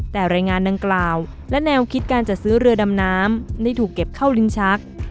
แต่รายงานดังกล่าวและแนวคิดการจัดซื้อเรือดำน้ำได้ถูกเก็บเข้าลิ้นชัก